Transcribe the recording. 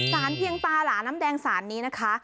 เพียงตาหลาน้ำแดงสารนี้นะคะ